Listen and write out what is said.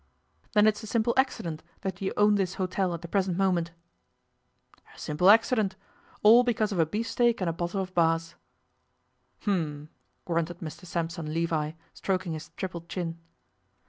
Then it's a simple accident that you own this hotel at the present moment?' 'A simple accident all because of a beefsteak and a bottle of Bass.' 'Um!' grunted Mr Sampson Levi, stroking his triple chin.